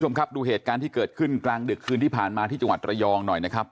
คุณผู้ชมครับดูเหตุการณ์ที่เกิดขึ้นกลางดึกคืนที่ผ่านมาที่จังหวัดระยองหน่อยนะครับ